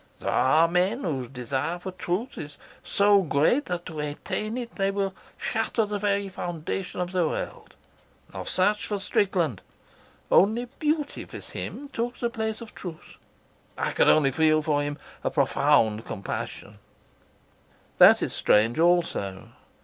There are men whose desire for truth is so great that to attain it they will shatter the very foundation of their world. Of such was Strickland, only beauty with him took the place of truth. I could only feel for him a profound compassion." "That is strange also.